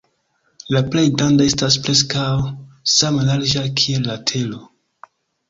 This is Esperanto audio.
La plej granda estas preskaŭ same larĝa kiel la Tero.